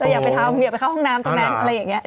อยากไปเข้าห้องน้ำตรงนั้นอะไรอย่างนี้